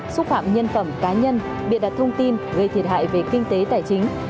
xúc phạm nhân phẩm cá nhân bịa đặt thông tin gây thiệt hại về kinh tế tài chính